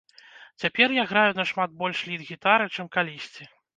Цяпер я граю нашмат больш лід-гітары, чым калісьці.